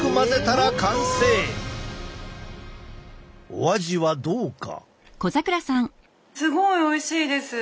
お味はどうか？